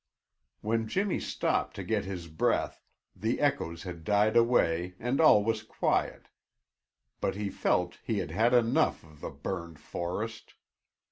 When Jimmy stopped to get his breath the echoes had died away and all was quiet, but he felt he had had enough of the burned forest.